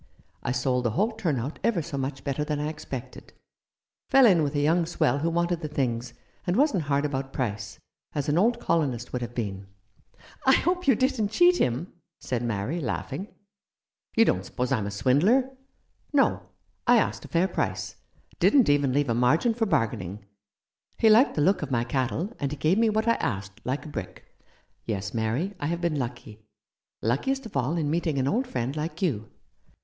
I sold the whole turn out ever so much better than I expected — fell in with a young swell who wanted the things, and wasn't hard about price, as an old colonist would have been." 13 Rough Justice. "I hope you didn't cheat him?" said Mary, laughing. "You don't suppose I'm a swindler? No, I asked a fair price — didn't even leave a margin for bargaining. He liked the look of my cattle, and he gave me what I asked, like a brick. Yes, Mary, I have been lucky, luckiest of all in meeting an old friend like you."